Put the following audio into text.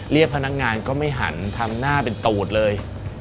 เรียกพนักงานก็ไม่หันทำหน้าเป็นตูดเลย